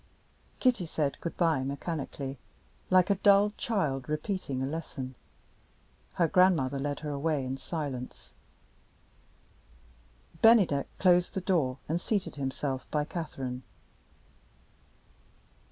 Kitty said good by mechanically like a dull child repeating a lesson. Her grandmother led her away in silence. Bennydeck closed the door and seated himself by Catherine.